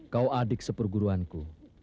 kau adik seperguruanku